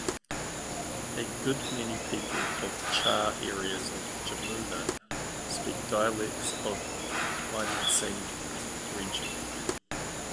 A good many people of Char areas of Jamuna speak dialects of Mymensingh region.